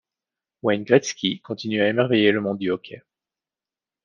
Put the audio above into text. Wayne Gretzky continue à émerveiller le monde du hockey.